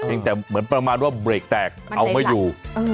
ยังแต่เหมือนประมาณว่าเบรกแตกเอาไม่อยู่